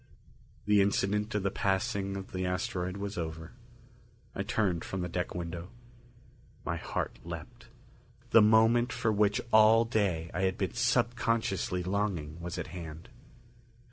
The incident of the passing of the asteroid was over. I turned from the deck window. My heart leaped. The moment for which all day I had been subconsciously longing was at hand.